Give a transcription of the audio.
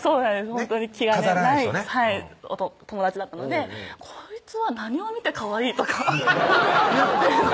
ほんとに気兼ねない友達だったのでこいつは何を見て「かわいい」とか言ってんだ